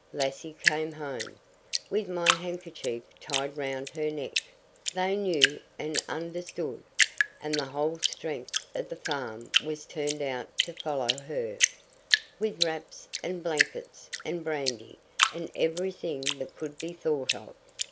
—Lassie came home, with my handkerchief tied round her neck. They knew and understood, and the whole strength of the farm was turned out to follow her, with wraps, and blankets, and brandy, and every thing that could be thought of.